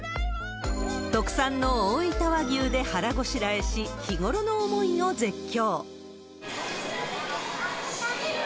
特産の大分和牛で腹ごしらえし、日頃の思いを絶叫。